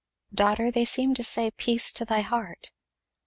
Daughter, they seem to say, Peace to thy heart!